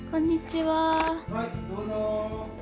はい、どうぞ。